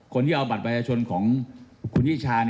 คนที่เอาบัตรประชาชนของคุณนิชา